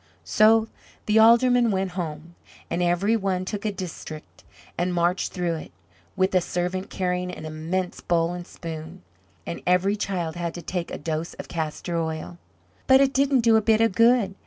So the Aldermen went home, and every one took a district and marched through it, with a servant carrying an immense bowl and spoon, and every child had to take a dose of castor oil. But it didn't do a bit of good.